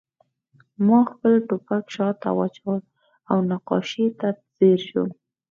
ما خپل ټوپک شاته واچاوه او نقاشۍ ته ځیر شوم